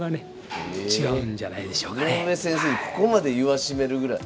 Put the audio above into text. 井上先生にここまで言わしめるぐらい。